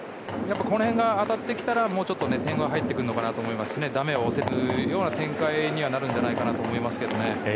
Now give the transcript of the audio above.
この辺が当たってきたらもうちょっと点が入ってくるのかなと思いますしだめを押せるような展開にはなるんじゃないかとは思います。